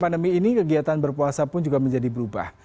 pandemi ini kegiatan berpuasa pun juga menjadi berubah